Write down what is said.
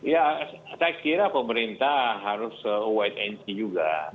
ya saya kira pemerintah harus white anti juga